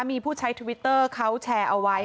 มีผู้ใช้ทวิตเตอร์เขาแชร์เอาไว้